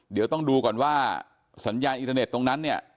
เดี๋ยวต้องดูก่อนว่าสัญญาณอินเทอร์เน็ตตรงนั้นเนี่ย